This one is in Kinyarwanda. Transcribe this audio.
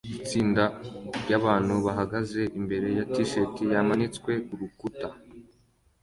Itsinda ryabantu bahagaze imbere ya t-shirt yamanitswe kurukuta